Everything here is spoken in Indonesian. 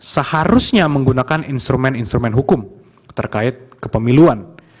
seharusnya menggunakan instrumen instrumen hukum terkait kepemiluan